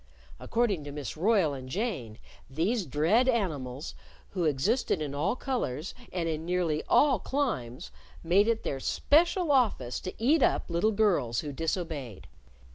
According to Miss Royle and Jane, these dread animals who existed in all colors, and in nearly all climes made it their special office to eat up little girls who disobeyed.